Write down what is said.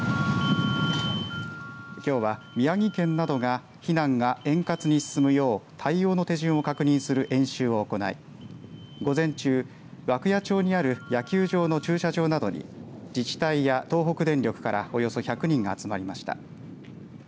きょうは、宮城県などが避難が円滑に進むよう対応の手順を確認する演習を行い午前中、涌谷町にある野球場の駐車場などに自治体や東北電力からおよそ１００人が集まりました。